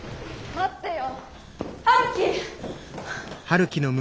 待ってよ。